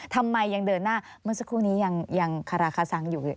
ทำไมยังเดินหน้าเมื่อสักครู่นี้ยังคาราคาซังอยู่